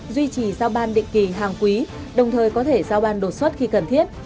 duy trì giao ban định kỳ hàng quý đồng thời có thể giao ban đột xuất khi cần thiết